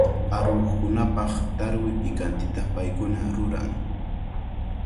Aruqkunapaq tarwi pikantita paykuna ruran.